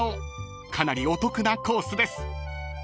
［かなりお得なコースです］